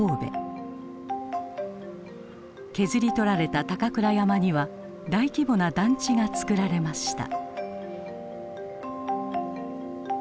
削り取られた高倉山には大規模な団地が造られました。